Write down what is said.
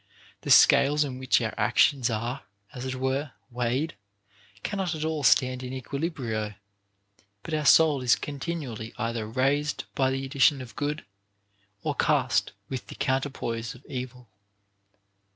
The scales in which our actions are, as it were, weighed can not at all stand in equilibrio, but our soul is continually either raised by the addition of good, or cast with the counterpoise of evil.